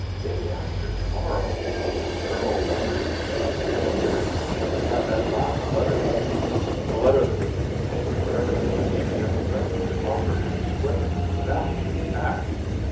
Day after to morrow! The girl wondered. At any rate, she would have that last letter then the letter that was to contain whatever defense her young friend could offer to explain his dastardly act.